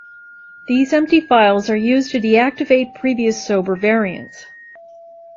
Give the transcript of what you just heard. These empty files are used to deactivate previous Sober variants.